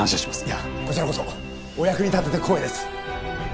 いやこちらこそお役に立てて光栄です。